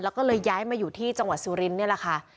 แล้วก็เลยย้ายมาอยู่ที่จังหวัดสุรินทร์นี่แหละค่ะ